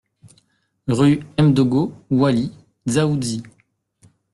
Rue M'Dogo Oili, Dzaoudzi